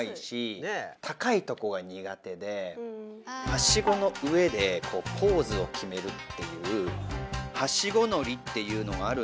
はしごの上でポーズをきめるっていう「はしごのり」っていうのがあるんだけど。